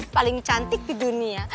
paling cantik di dunia